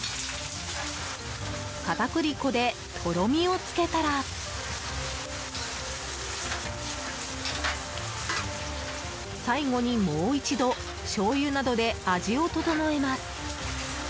片栗粉でとろみをつけたら最後にもう一度しょうゆなどで味を調えます。